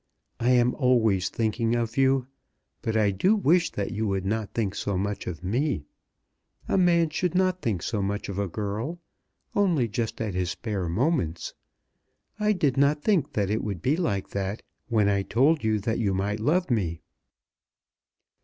I am always thinking of you; but I do wish that you would not think so much of me. A man should not think so much of a girl, only just at his spare moments. I did not think that it would be like that when I told you that you might love me."